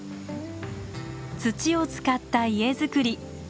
土を使った家造り。